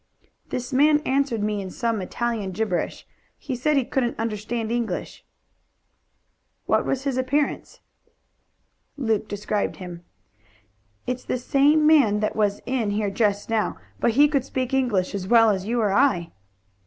"This man answered me in some Italian gibberish. He said he couldn't understand English." "What was his appearance?" Luke described him. "It's the same man that was in here just now, but he could speak English as well as you or I."